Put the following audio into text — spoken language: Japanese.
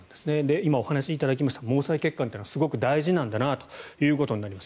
今、お話しいただきました毛細血管というのはすごく大事なんだなということになります。